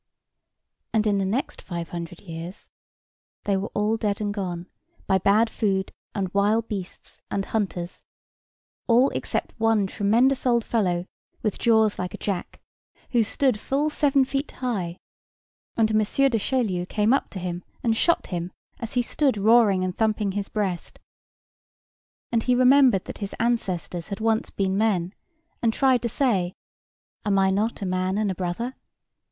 And in the next five hundred years they were all dead and gone, by bad food and wild beasts and hunters; all except one tremendous old fellow with jaws like a jack, who stood full seven feet high; and M. Du Chaillu came up to him, and shot him, as he stood roaring and thumping his breast. And he remembered that his ancestors had once been men, and tried to say, "Am I not a man and a brother?"